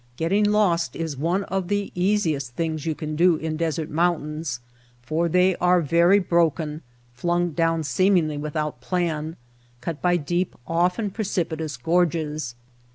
Getting lost is one of the easiest things you can do in desert moun tains for they are very broken, flung down seem ingly without plan, cut by deep, often precipi tous gorges.